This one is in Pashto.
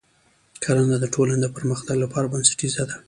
کرنه د ټولنې د پرمختګ لپاره بنسټیزه ده.